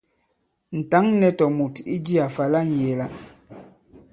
Ǹ tǎŋ nɛ̄ tòmùt i jiā fa la ŋyēe-la.